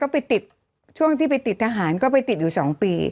ไปติดช่วงที่ไปติดทหารก็ไปติดอยู่๒ปี